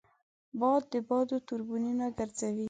باد د بادو توربینونه ګرځوي